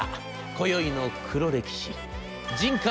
今宵の黒歴史。